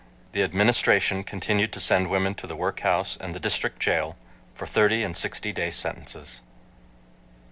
The Administration continued to send women to the workhouse and the District Jail for thirty and sixty day sentences.